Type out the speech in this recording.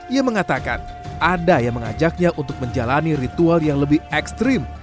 ia mengatakan ada yang mengajaknya untuk menjalani ritual yang lebih ekstrim